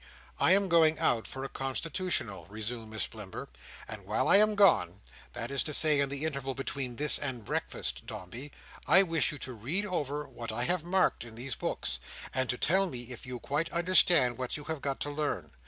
"I am going out for a constitutional," resumed Miss Blimber; "and while I am gone, that is to say in the interval between this and breakfast, Dombey, I wish you to read over what I have marked in these books, and to tell me if you quite understand what you have got to learn.